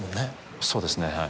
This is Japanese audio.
そうですねはい。